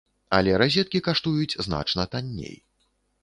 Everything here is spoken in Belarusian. Але разеткі каштуюць значна танней.